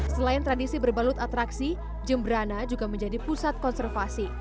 selain tradisi berbalut atraksi jemberana juga menjadi pusat konservasi